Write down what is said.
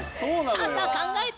さあさあ考えて。